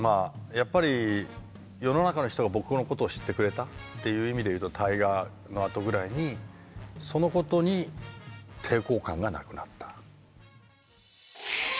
やっぱり世の中の人が僕のことを知ってくれたっていう意味でいうと大河のあとぐらいにそのことに抵抗感がなくなった。